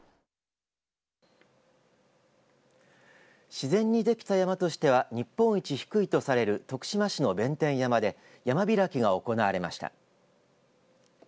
自然にできた山としては日本一低いとされる徳島市の弁天山で山開きが行われました。